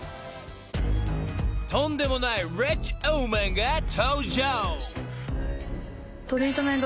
［とんでもないリッチウーマンが登場］